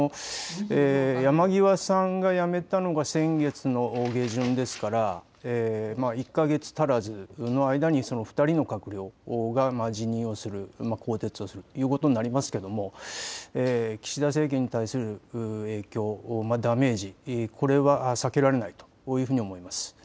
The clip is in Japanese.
山際さんが辞めたのが先月の下旬ですから１か月足らずの間に２人の閣僚が辞任をする、更迭をするということになりますが岸田政権に対する影響、ダメージ、これは避けられないと思います。